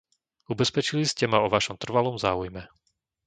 Ubezpečili ste ma o vašom trvalom záujme.